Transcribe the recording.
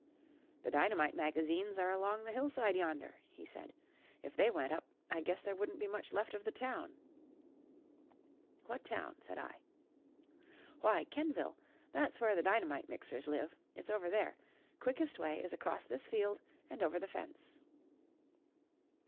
"The dynamite magazines are along the hillside yonder," he said. "If they went up, I guess there wouldn't be much left of the town." "What town?" said I. "Why, Kenvil. That's where the dynamite mixers live. It's over there. Quickest way is across this field and over the fence."